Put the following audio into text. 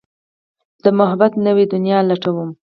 د محبت نوې دنيا لټوم